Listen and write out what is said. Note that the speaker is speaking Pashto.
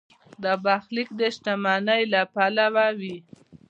دا برخلیک د شتمنۍ له پلوه وي.